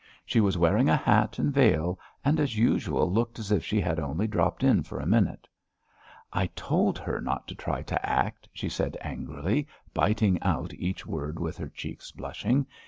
She was wearing a hat and veil, and as usual looked as if she had only dropped in for a minute. "I told her not to try to act," she said angrily, biting out each word, with her cheeks blushing.